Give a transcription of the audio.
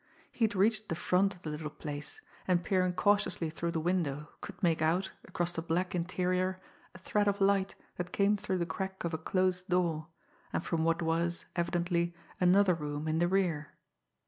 He had reached the front of the little place, and peering cautiously through the window could make out, across the black interior, a thread of light that came through the crack of a closed door, and from what was, evidently, another room in the rear.